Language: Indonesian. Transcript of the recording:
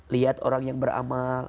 lihat orang yang beramal